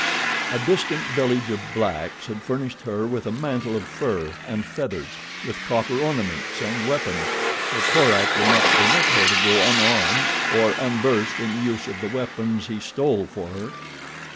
A distant village of blacks had furnished her with a mantle of fur and feathers, with copper ornaments, and weapons, for Korak would not permit her to go unarmed, or unversed in the use of the weapons he stole for her.